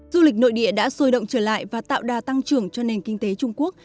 du lịch nội địa đã sôi động trở lại và tạo đà tăng trưởng cho nền kinh tế trung quốc